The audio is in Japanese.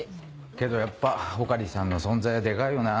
けどやっぱ穂刈さんの存在はデカいよな。